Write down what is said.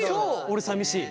俺さみしい。